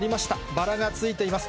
バラがついています。